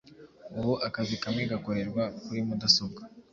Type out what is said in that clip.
ubu akazi kamwe gakorerwa kuri mudasobwa